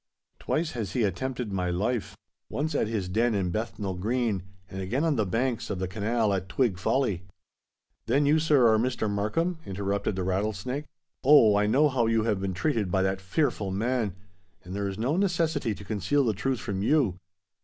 Twice has he attempted my life: once at his den in Bethnal Green, and again on the banks of the canal at Twig Folly——" "Then you, sir, are Mr. Markham?" interrupted be Rattlesnake. "Oh! I know how you have been treated by that fearful man; and there is no necessity to conceal the truth from you!